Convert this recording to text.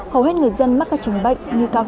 hầu hết người dân mắc các trình bệnh như cao khóa